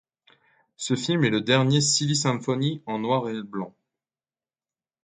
Ce film est la dernière Silly Symphony en noir et blanc.